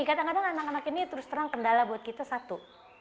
kadang kadang anak anak ini terus terang kendala buat kita satu